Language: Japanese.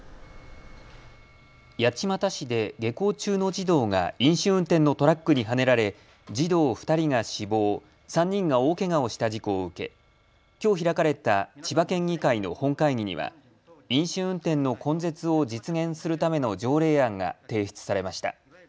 八街市で下校中の児童が飲酒運転のトラックにはねられ児童２人が死亡、３人が大けがをした事故を受けきょう開かれた千葉県議会の本会議には飲酒運転の根絶を実現するための条例案が提出されました。